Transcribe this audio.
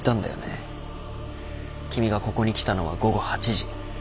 君がここに来たのは午後８時。